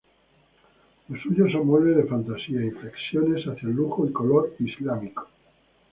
Lo suyo son muebles de fantasía, inflexiones hacia el lujo y color islámico".